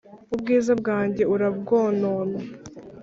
ubwiza bwanjye urabwonona